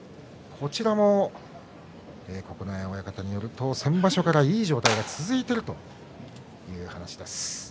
こちらも九重親方、先場所からいい状態が続いているという話です。